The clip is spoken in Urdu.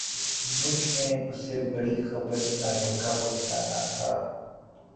مجھ میں اسے بری خبر سنانے کا حوصلہ نہ تھا